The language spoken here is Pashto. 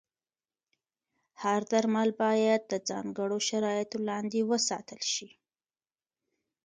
هر درمل باید د ځانګړو شرایطو لاندې وساتل شي.